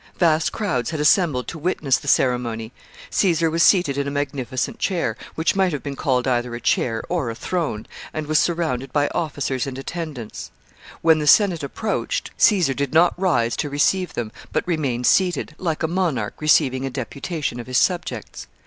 Vast crowds had assembled to witness the ceremony Caesar was seated in a magnificent chair, which might have been called either a chair or a throne, and was surrounded by officers and attendants When the Senate approached, Caesar did not rise to receive them, but remained seated, like a monarch receiving a deputation of his subjects.